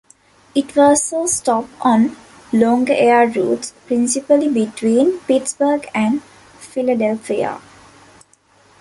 It was a stop on longer air routes, principally between Pittsburgh and Philadelphia.